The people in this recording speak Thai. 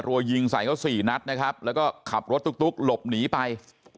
ยิงใส่เขาสี่นัดนะครับแล้วก็ขับรถตุ๊กหลบหนีไป